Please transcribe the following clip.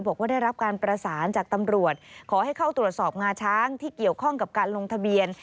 บอกว่าได้รับการประสานจากตำรวจขอให้เข้าตรวจสอบงาช้างที่เกี่ยวข้องกับการลงทะเบียน